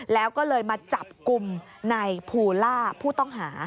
แล้วก็เลยมาจับกลุ่มในภูล่าผู้ต้องหา